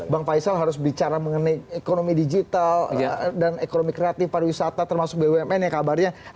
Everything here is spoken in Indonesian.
bang faisal harus bicara mengenai ekonomi digital dan ekonomi kreatif para wisata termasuk bumn ya kabarnya